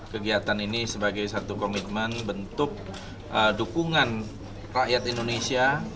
kegiatan ini sebagai satu komitmen bentuk dukungan rakyat indonesia